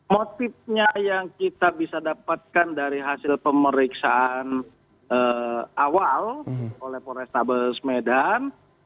motifnya yang kita bisa dapatkan dari hasil pemeriksaan awal oleh polrestabes medan